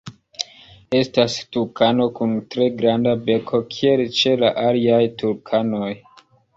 Estas tukano kun tre granda beko kiel ĉe la aliaj tukanoj.